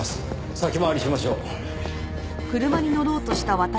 先回りしましょう。